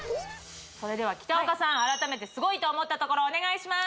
それでは北岡さん改めてすごいと思ったところお願いします